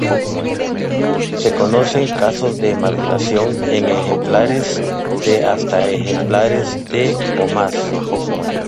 Se conocen casos de maduración en ejemplares de hasta ejemplares de o más.